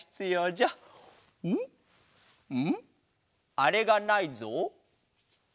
あれがないぞ。